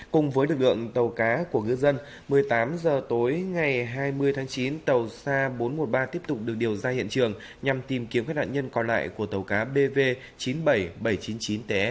cùng với lực lượng tàu cá của ngư dân một mươi tám h tối ngày hai mươi tháng chín tàu sa bốn trăm một mươi ba tiếp tục được điều ra hiện trường nhằm tìm kiếm các nạn nhân còn lại của tàu cá bv chín mươi bảy nghìn bảy trăm chín mươi chín ts